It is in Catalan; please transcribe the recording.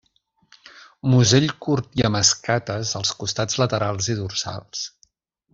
Musell curt i amb escates als costats laterals i dorsal.